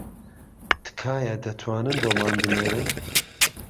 تکایە دەتوانن بۆمان بنێرن